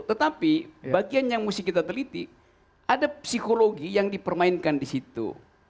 tetapi bagian yang mesti kita teliti ada psikologi yang dipermainkan di situ